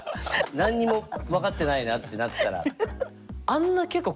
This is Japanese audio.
何にも分かってないなってなったら。